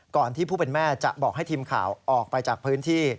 ที่ผู้เป็นแม่จะบอกให้ทีมข่าวออกไปจากพื้นที่